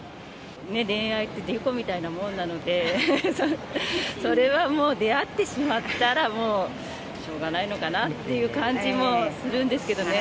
恋愛って、自由みたいなものなので、それはもう出会ってしまったら、もうしょうがないのかなっていう感じもするんですけどね。